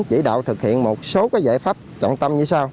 chỉ đạo thực hiện một số giải pháp trọng tâm như sau